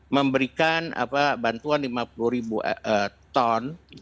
memberikan bantuan lima puluh ribu ton